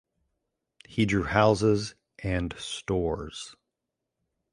He drew houses and stores.